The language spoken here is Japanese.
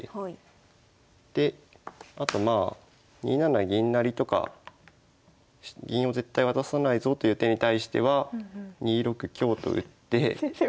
であとまあ２七銀成とか銀を絶対渡さないぞという手に対しては２六香と打って。